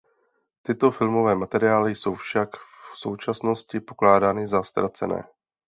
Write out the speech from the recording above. Tyto filmové materiály jsou však v současnosti pokládány za ztracené.